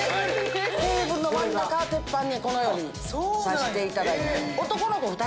テーブルの真ん中鉄板にこのようにさせていただいて。